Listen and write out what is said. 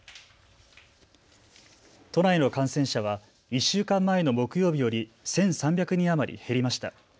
都内の感染者は１週間前の木曜日より１３００人余り減りました。